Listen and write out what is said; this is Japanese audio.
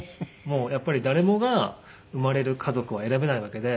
やっぱり誰もが生まれる家族は選べないわけで。